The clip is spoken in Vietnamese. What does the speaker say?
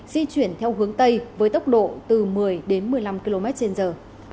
di chuyển theo hướng tây với tốc độ từ một mươi đến một mươi năm km trên giờ